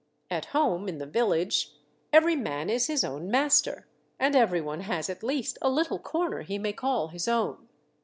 At home, in the village, every man is his own master, and every one has at least a little corner he may call his own.